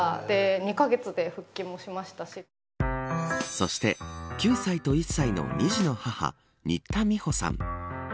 そして、９歳と１歳の２児の母新田美穂さん。